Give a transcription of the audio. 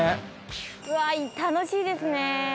うわ楽しいですね。